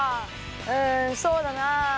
うんそうだなあ。